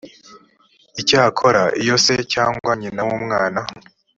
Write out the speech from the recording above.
icyakora iyo se cyangwa nyina w umwana